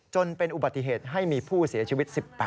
จนเป็นอุบัติเหตุให้มีผู้เสียชีวิต๑๘